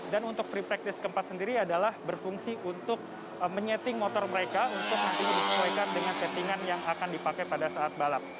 dan untuk free practice keempat sendiri adalah berfungsi untuk menyeting motor mereka untuk nanti disesuaikan dengan settingan yang akan dipakai pada saat balap